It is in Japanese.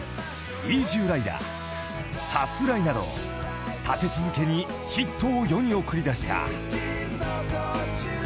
『イージュー★ライダー』『さすらい』など立て続けにヒットを世に送り出した］